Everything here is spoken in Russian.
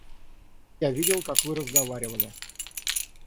Я видел, как вы разговаривали.